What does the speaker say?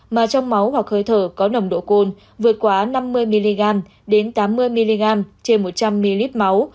mà trong máu hoặc hơi thở có nồng độ cồn vượt quá năm mươi mg đến tám mươi mg trên một trăm linh ml máu